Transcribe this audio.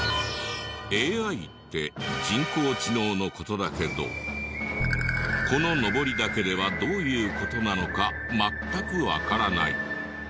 ＡＩって人工知能の事だけどこののぼりだけではどういう事なのか全くわからない。